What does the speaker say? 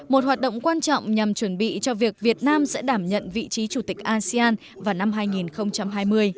một hoạt động quan trọng nhằm chuẩn bị cho việc việt nam sẽ đảm nhận vị trí chủ tịch asean vào năm hai nghìn hai mươi